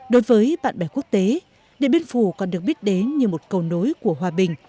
đối với bạn bè quốc tế điện biên phủ còn được biết đến như một cầu nối của hòa bình